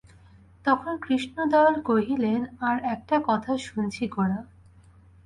তখন কৃষ্ণদয়াল কহিলেন, আর-একটা কথা শুনছি গোরা।